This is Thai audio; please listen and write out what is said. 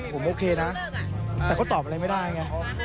ผมโอเคนะแต่ก็ตอบอะไรไม่ได้ไง